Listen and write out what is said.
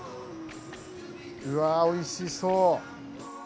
うわっおいしそう！